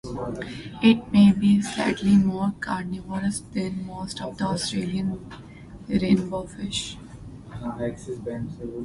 It may be slightly more carnivorous than most of the Australian rainbowfish.